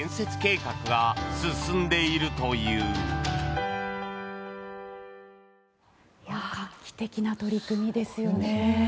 画期的な取り組みですよね。